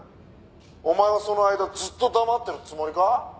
「お前はその間ずっと黙ってるつもりか？」